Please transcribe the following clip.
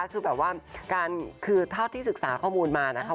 คือแบบว่าคือเท่าที่ศึกษาข้อมูลมานะคะ